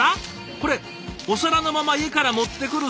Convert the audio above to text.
これお皿のまま家から持ってくるスタイルだ。